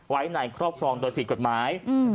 ไว้ในครอบครองโดยผิดกฎหมาย